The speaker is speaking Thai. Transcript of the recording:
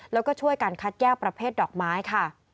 แล้วก็ช่วยกันคัดแยกประเภทดอกไม้ค่ะ